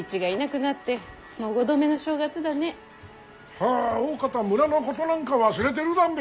はぁおおかた村のことなんか忘れてるだんべ。